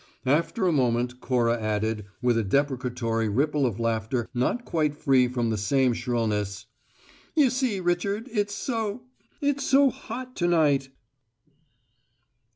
After a moment Cora added, with a deprecatory ripple of laughter not quite free from the same shrillness: "You see, Richard, it's so it's so hot, to night."